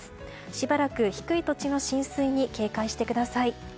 しばらく低い土地の浸水に警戒してください。